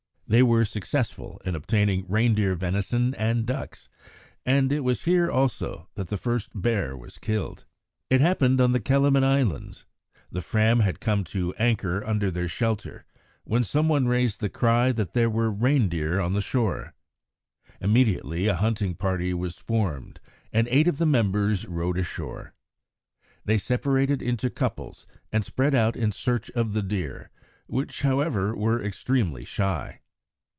They were successful in obtaining reindeer venison and ducks, and it was here also that the first bear was killed. It happened on the Kjellman Islands. The Fram had come to anchor under their shelter, when some one raised the cry that there were reindeer on the shore. Immediately a hunting party was formed, and eight of the members rowed ashore. They separated into couples and spread out in search of the deer, which, however, were extremely shy.